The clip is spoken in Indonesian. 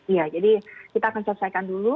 iya jadi kita akan selesaikan dulu